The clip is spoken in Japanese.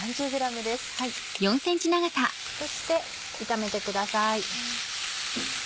そして炒めてください。